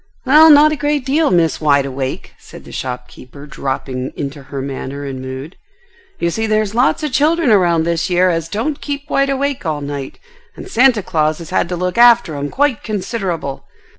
"Well, not a great deal, Miss Wide awake," said the shopkeeper dropping into her manner and mood. "You see there's lots of children around this year as don't keep wide awake all night, and Santa Claus has had to look after 'em quite considerable.